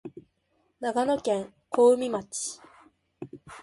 長野県小海町